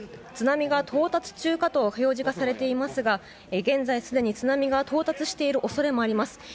津波が到達中かと表示がされていますが現在、すでに津波が到達している恐れもあります。